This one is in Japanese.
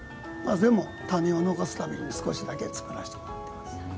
でも、種を残すために少しだけ作らせてもらってます。